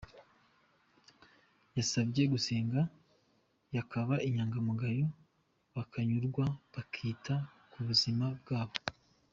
Yasabye gusenga, bakaba inyangamugayo, bakanyurwa, bakita ku buzima bwabo.